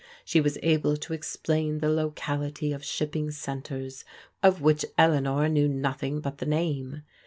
She was able to explain the locality of shipping centres of which Eleanor knew nothing but the name.